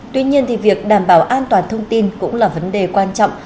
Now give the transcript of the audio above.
tuy nhiên thì việc đảm bảo an toàn thông tin cũng là vấn đề quan trọng